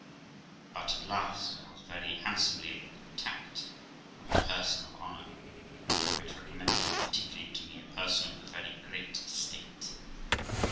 But, at last, I was very handsomely attacked by a person of honour, and (which recommended him particularly to me) a person of a very great estate.